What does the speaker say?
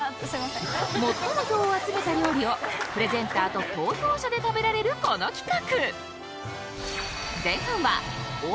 最も票を集めた料理をプレゼンターと投票者で食べられるこの企画！